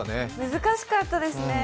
難しかったですね。